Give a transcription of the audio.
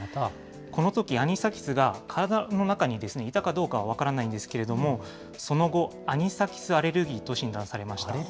このときアニサキスが体の中にいたかどうかは分からないんですけれども、その後、アニサキスアレアレルギー？